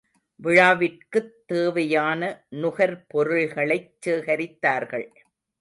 விழாவிற்குத் தேவையான நுகர் பொருள்களைச் சேகரித்தார்கள்.